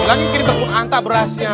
dibilangin kiri telepon antar berasnya